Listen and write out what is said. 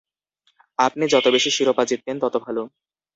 আপনি যত বেশি শিরোপা জিতবেন, তত ভালো।